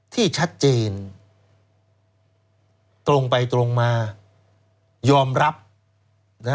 ที่ชัดเจนตรงไปตรงมายอมรับนะ